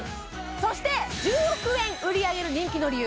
そして１０億円売り上げる人気の理由